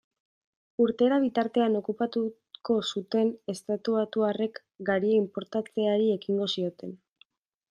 Urtera bitartean okupatuko zuten estatubatuarrek garia inportatzeari ekingo zioten.